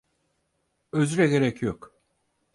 Özre gerek yok.